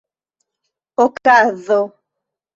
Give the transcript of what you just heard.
okazo